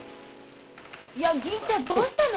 いや銀ちゃんどうしたの！？